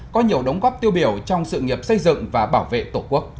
có nhiều đóng góp tiêu biểu trong sự nghiệp xây dựng và bảo vệ tổ quốc